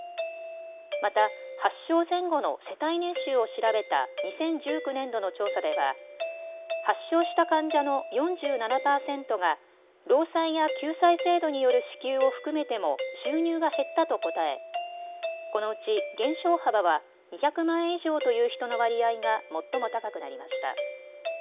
また、発症前後の世帯年収を調べた２０１９年度の調査では発症した患者の４７％が労災や救済制度による支給を含めても収入が減ったと答えこのうち減少幅は２００万円以上という人の割合が最も高くなりました。